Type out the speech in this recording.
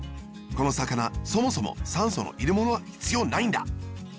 このさかなそもそも酸素のいれものはひつようないんだ。